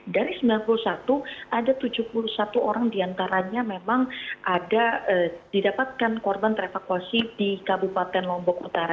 dari sembilan puluh satu ada tujuh puluh satu orang diantaranya memang ada didapatkan korban terevakuasi di kabupaten lombok utara